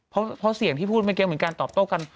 เพราะเสียงที่พูดเมื่อกี้เหมือนการตอบโต้กัน